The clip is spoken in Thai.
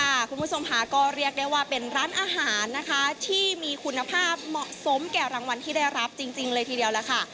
คุณผู้ชมค่ะก็เรียกได้ว่าเป็นร้านอาหารนะคะที่มีคุณภาพเหมาะสมแก่รางวัลที่ได้รับจริงเลยทีเดียวล่ะค่ะ